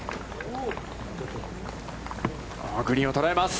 グリーンを捉えます。